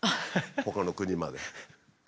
ほかの国まで。